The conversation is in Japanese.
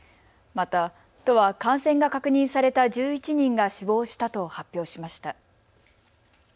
また都は感染が確認された１１人が死亡したと発表しました。